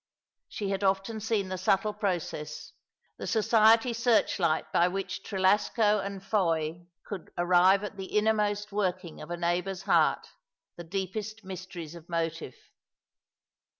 She had often seen the subtle process, the society search light by which Trelasco and Fowey could arrive at the innermost working of a neighbour's heart, the deepest mysteries of motive.